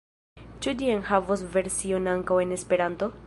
Ĉu ĝi enhavos version ankaŭ en Esperanto?